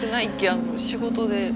あの仕事で。